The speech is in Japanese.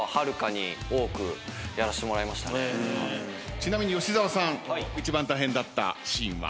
ちなみに吉沢さん一番大変だったシーンは？